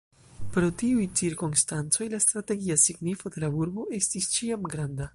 Pro tiuj cirkonstancoj la strategia signifo de la urbo estis ĉiam granda.